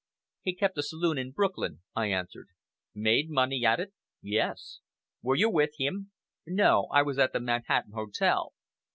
"He kept a saloon in Brooklyn," I answered. "Made money at it?" "Yes!" "Were you with him?" "No! I was at the Manhattan Hotel."